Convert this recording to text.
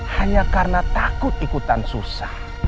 hanya karena takut ikutan susah